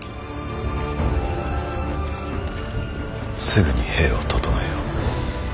すぐに兵を調えよ。